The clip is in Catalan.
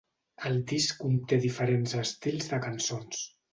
El disc conté diferents estils de cançons.